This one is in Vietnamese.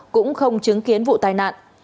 cũng không chứng kiến vụ tai nạn